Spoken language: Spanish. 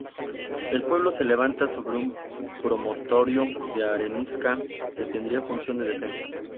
El pueblo se levanta sobre un promontorio de arenisca que tendría función de defensa.